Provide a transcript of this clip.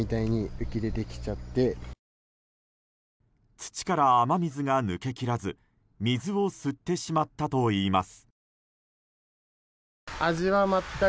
土から雨水が抜けきらず水を吸ってしまったといいます。